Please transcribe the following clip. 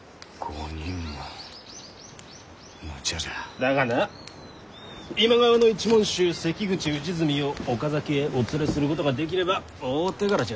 だがな今川の一門衆関口氏純を岡崎へお連れすることができれば大手柄じゃ。